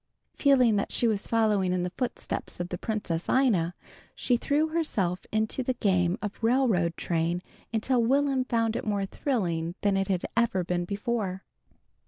_" Feeling that she was following in the footsteps of the Princess Ina, she threw herself into the game of Railroad Train until Will'm found it more thrilling than it had ever been before.